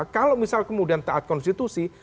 kalau misal kemudian taat konstitusi